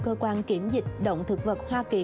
cơ quan kiểm dịch động thực vật hoa kỳ